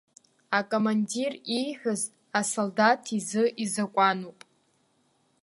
Акомандир ииҳәаз, асолдаҭ изы изакәануп.